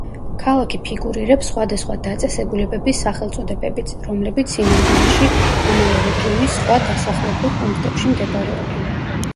ქალაქი ფიგურირებს სხვადასხვა დაწესებულებების სახელწოდებებიც, რომლებიც სინამდვილეში ამავე რეგიონის სხვა დასახლებულ პუნქტებში მდებარეობენ.